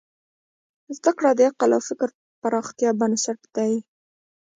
زدهکړه د عقل او فکر پراختیا بنسټ دی.